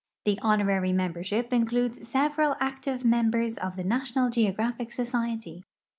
The honorary membership includesseveral active mem bers of the National Geographic Society.